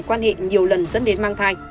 quan hệ nhiều lần dẫn đến mang thai